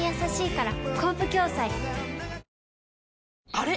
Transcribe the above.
あれ？